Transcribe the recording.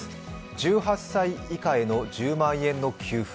１８歳以下への１０万円の給付。